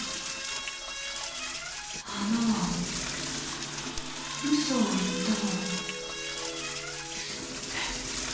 はなはうそをいったの？」。